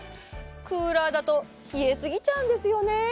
クーラーだと冷えすぎちゃうんですよね。